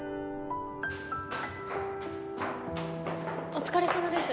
お疲れさまです。